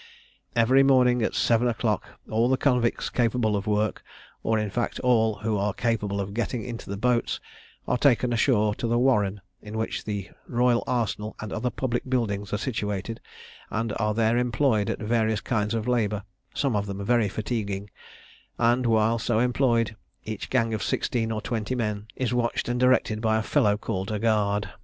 Every morning, at seven o'clock, all the convicts capable of work, or, in fact, all who are capable of getting into the boats, are taken ashore to the Warren, in which the Royal Arsenal and other public buildings are situated, and are there employed at various kinds of labour, some of them very fatiguing; and, while so employed, each gang of sixteen or twenty men is watched and directed by a fellow called a guard.